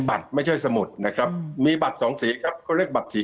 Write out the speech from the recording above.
บัตรไม่ใช่สมุดนะครับมีบัตรสองสีครับเขาเรียกบัตรสี